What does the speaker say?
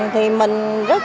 thì mình rất